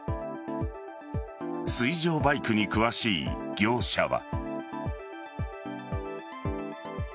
水上バイクに詳しい業者は。